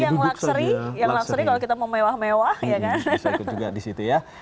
apalagi yang lakseri yang lakseri kalau kita mau mewah mewah